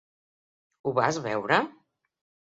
Ho vas veure?